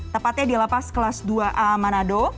tepatnya di lapas kelas dua a manado